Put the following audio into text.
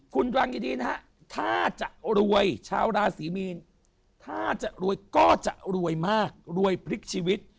คุณฟังดีนะฮะถ้าจะรวยชาวราศีมีนถ้าจะรวยก็จะรวยมากรวยพลิกชีวิต